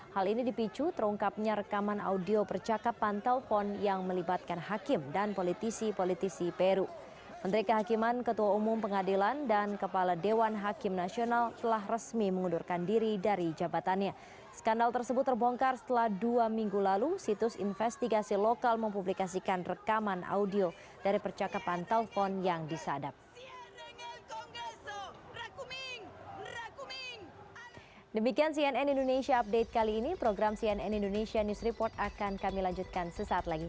dan indonesia news report akan kami lanjutkan sesaat lagi